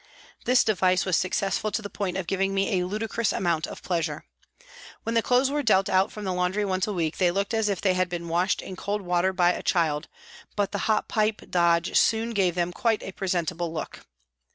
This device was successful to the point of giving me a ludicrous amount of pleasure. When the clothes were dealt out from the laundry once a week they looked as if they had been washed in cold water by a child, but the hot pipe dodge soon gave them quite a presentable look.